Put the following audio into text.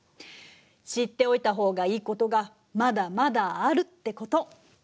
知っておいた方がいいことがまだまだあるってこと。